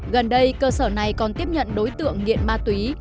gần đây cơ sở này còn tiếp nhận đối tượng nghiện ma túy